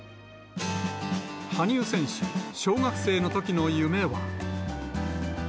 羽生選手、小学生のときの夢は。